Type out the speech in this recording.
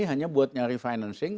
hanya buat nyari financing